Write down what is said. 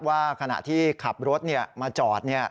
ว่าขณะที่ขับรถมาจอด